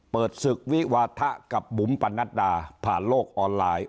เปิดศึกวิวาทะกับบุ๋มปะนัดดาผ่านโลกออนไลน์